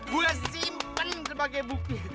gue simpen sebagai bukti